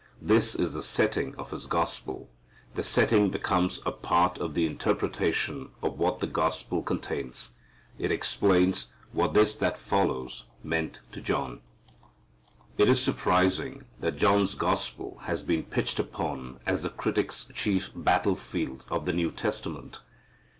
This is the setting of His gospel. The setting becomes a part of the interpretation of what the gospel contains. It explains what this that follows meant to John. Is it surprising that John's Gospel has been pitched upon as the critics' chief battle field of the New Testament?